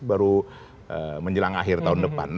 baru menjelang akhir tahun depan